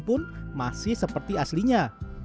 pun masih seperti aslinya